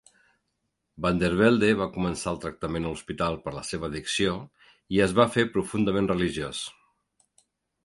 Van der Velde va començar el tractament a l'hospital per la seva addicció i es va fer profundament religiós.